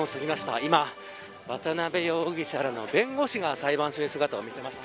今、渡辺容疑者らの弁護士が裁判所へ姿を見せました。